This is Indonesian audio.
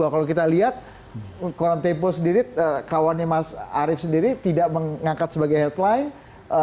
kalau kita lihat koran tempo sendiri kawannya mas arief sendiri tidak mengangkat sebagai headline